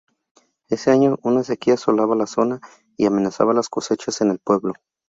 Ese año, una sequía asolaba la zona y amenazaba las cosechas en el pueblo.